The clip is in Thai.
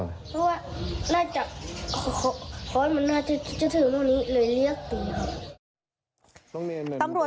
เพราะว่าน่าจะเพราะว่ามันน่าจะถือตรงนี้เลยเลือกตีครับ